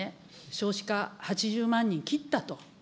少子化８０万人切ったと。